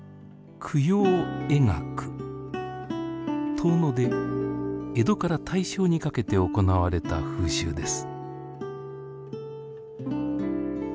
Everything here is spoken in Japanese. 遠野で江戸から大正にかけて行われた風習です。